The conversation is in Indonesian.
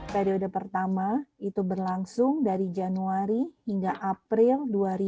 periode pertama itu berlangsung dari januari hingga april dua ribu dua puluh